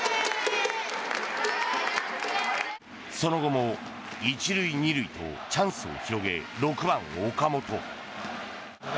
その後も１塁、２塁とチャンスを広げ、６番、岡本。